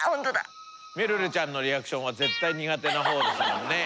めるるちゃんのリアクションは絶対苦手な方でしたよね。